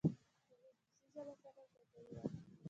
هغې انګلیسي ژبه سمه زده کړې وه